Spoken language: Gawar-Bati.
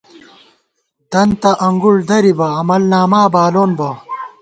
دنتہ انگُڑ دریبہ ، عمل ناما بالون بہ